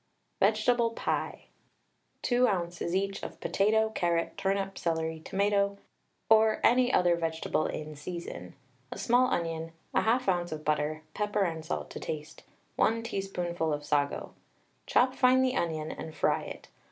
VEGETABLE PIE. 2 oz. each of potato, carrot, turnip, celery, tomato (or any other vegetable in season), a small onion, 1/2 oz. of butter, pepper and salt to taste, 1 teaspoonful of sago. Chop fine the onion and fry it.